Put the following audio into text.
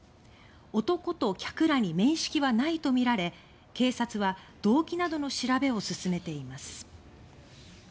男と客らに面識はないとみられ警察は動機などの調べを進めています。